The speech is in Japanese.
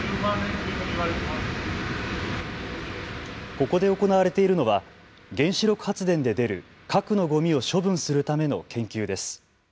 ここで行われているのは原子力発電で出る、核のごみを処分するための研究です。